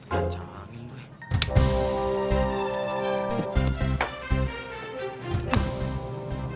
gak canggih gue